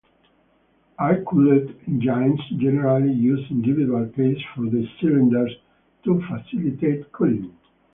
Air-cooled engines generally use individual cases for the cylinders to facilitate cooling.